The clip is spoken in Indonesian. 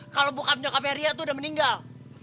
kalo bokap nyokapnya ria itu udah meninggal